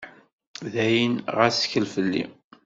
D ayen, ɣas ttkel fell-i.